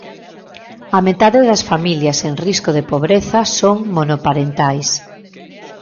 A metade das familias en risco de pobreza son monoparentais.